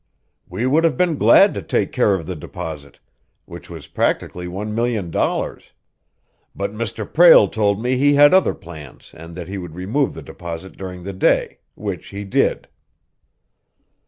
"We would have been glad to take care of the deposit, which was practically one million dollars. But Mr. Prale told me he had other plans and that he would remove the deposit during the day, which he did."